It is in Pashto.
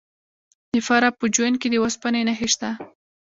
د فراه په جوین کې د وسپنې نښې شته.